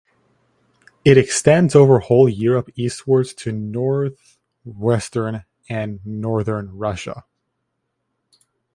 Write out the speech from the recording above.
It extends over whole Europe eastwards to Northwestern and Northern Russia.